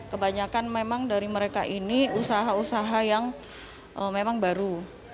kebanyakan memang dari mereka ini usaha usaha yang memang baru